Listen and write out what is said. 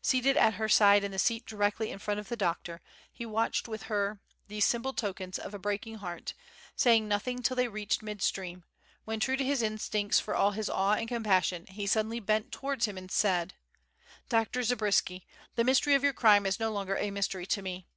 Seated at her side in the seat directly in front of the doctor, he watched with her these simple tokens of a breaking heart, saying nothing till they reached midstream, when true to his instincts for all his awe and compassion, he suddenly bent towards him and said: "Dr. Zabriskie, the mystery of your crime is no longer a mystery to me.